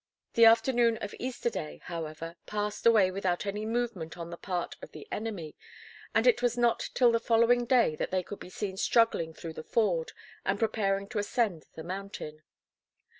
The afternoon of Easter Day however passed away without any movement on the part of the enemy, and it was not till the following day that they could be seen struggling through the ford, and preparing to ascend the mountain.